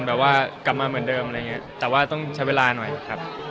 แบบว่ากลับมาเหมือนเดิมอะไรอย่างนี้แต่ว่าต้องใช้เวลาหน่อยครับ